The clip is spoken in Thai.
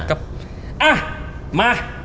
อะมา